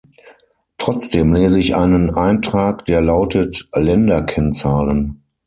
Trotzdem lese ich einen Eintrag, der lautet "Länderkennzahlen" .